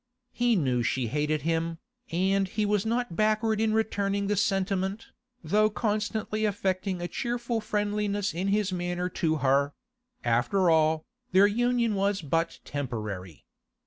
He knew she hated him, and he was not backward in returning the sentiment, though constantly affecting a cheerful friendliness in his manner to her; after all, their union was but temporary.